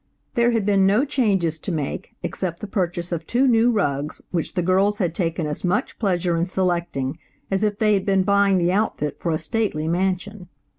There had been no changes to make, except the purchase of two new rugs, which the girls had taken as much pleasure in selecting as if they had been buying the outfit for a stately mansion.